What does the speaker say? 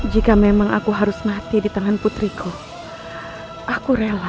jika memang aku harus mati di tangan putriku aku rela